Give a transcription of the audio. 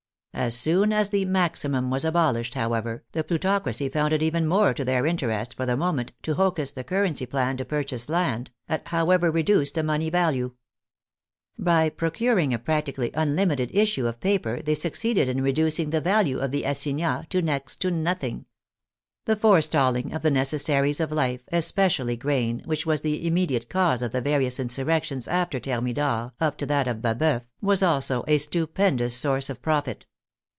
As soon as the maximum was abolished, however, the plutocracy found it even more to their interest for the moment to hocus the currency than to purchase land, at however reduced a money value. By procuring a practically unlimited issue of paper they succeeded in THE NATIONAL PROPERTY 113 reducing the value of the assignats to next to nothing. The forestalling of the necessaries of life, especially grain, which was the immediate cause of the various insurrec tions after Thermidor up to that of Baboeuf, was also a stupendous source of profit.